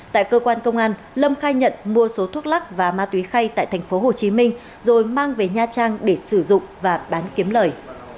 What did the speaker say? tại cơ quan công an lâm khai nhận mua số thuốc lắc và ma túy khay tại thành phố hồ chí minh rồi mang về nha trang để sử dụng và bán kiếm lời